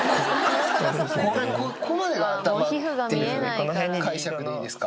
ここまでが頭っていう解釈でいいですか。